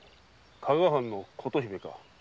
加賀藩の琴姫か。